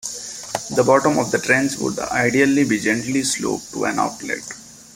The bottom of the trench would ideally be gently sloped to an outlet.